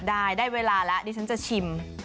ได้ได้เวลาแล้วดิฉันจะชิม